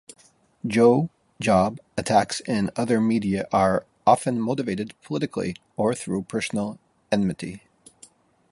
Joe job attacks in other media are often motivated politically or through personal enmity.